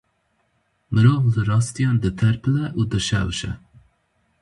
Mirov li rastiyan diterpile û dişewişe.